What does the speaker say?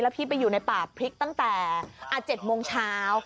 พี่ไปอยู่ในป่าพริกตั้งแต่๗โมงเช้า